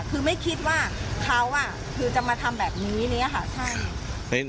คือไม่คิดว่าเขาคือจะมาทำแบบนี้เนี่ยค่ะ